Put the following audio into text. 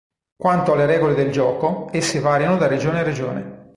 Quanto alle regole del gioco, esse variano da regione a regione.